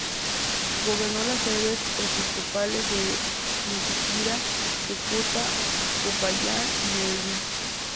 Gobernó las sedes episcopales de Chiquinquirá, Cúcuta, Popayán y Medellín.